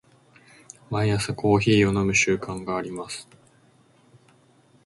毎朝コーヒーを飲む習慣があります。